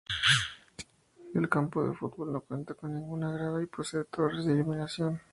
El campo de fútbol no cuenta con ninguna grada y posee torres de iluminación.